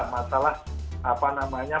masalah apa namanya